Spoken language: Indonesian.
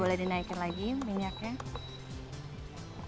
boleh dinaikkan lagi minyaknya